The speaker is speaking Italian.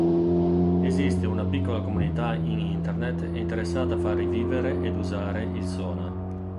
Esiste una piccola comunità in Internet interessata a far rivivere ed usare il Sona.